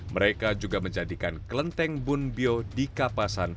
mereka juga menjadikan klenteng bunbyo di kapasan